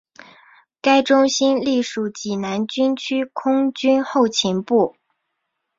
该中心隶属济南军区空军后勤部。